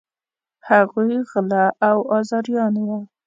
هغوی غله او آزاریان وه.